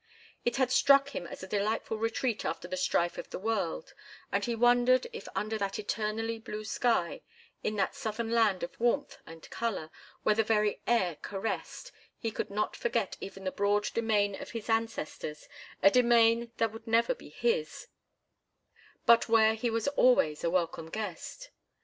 It had struck him as a delightful retreat after the strife of the world, and he wondered if under that eternally blue sky, in that Southern land of warmth and color, where the very air caressed, he could not forget even the broad demesne of his ancestors, a demesne that would never be his, but where he was always a welcome guest.